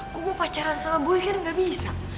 gue mau pacaran sama gue kan gak bisa